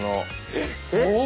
えっ！